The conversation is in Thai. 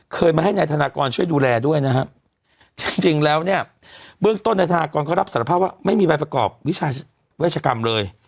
เคยมาให้นายธนากรช่วยดูแลด้วยนะฮะจริงแล้วเนี่ยเบื้องต้นนายธนากรเขารับสารภาพว่าไม่มีใบประกอบวิชาเวชกรรมเลย